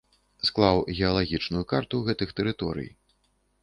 Склаў геалагічную карту гэтых тэрыторый.